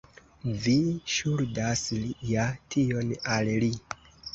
Vi ŝuldas ja tion al li.